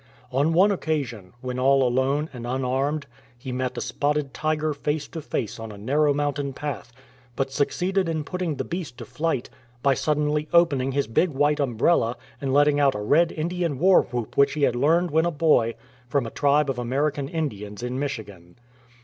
On one occasion, when all alone and unarmed, he met a spotted tiger face to face on a narrow mountain path, but succeeded in putting the beast to flight by suddenly opening his big white umbrella and letting out a Red Indian war whoop which he had learned when a boy from a tribe of American Indians in Michigan.